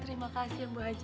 terima kasih ya bu aja